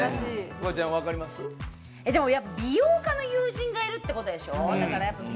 フワちゃん、分かりやっぱり美容家の友人がいるってことでしょ。